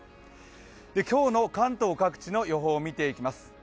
今日の関東各地の予報を見ていきます。